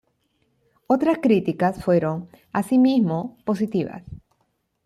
Otras críticas fueron, así mismo, positivas.